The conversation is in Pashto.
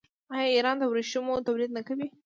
آیا ایران د ورېښمو تولید نه کوي؟